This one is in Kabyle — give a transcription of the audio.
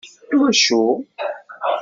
Iwacu?